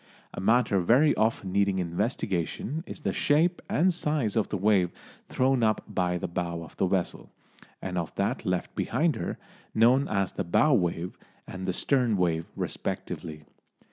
A matter very often needing investigation is the shape and size of the wave thrown up by the bow of the vessel, and of that left behind her, known as the "bow wave" and the "stern wave" respectively.